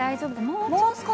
もうちょっと？